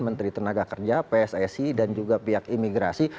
menteri tenaga kerja pssi dan juga pihak imigrasi